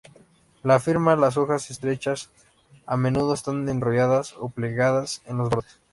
La firma, las hojas estrechas, a menudo, están enrolladas o plegadas en los bordes.